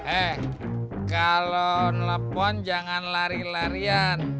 eh kalau nelfon jangan lari larian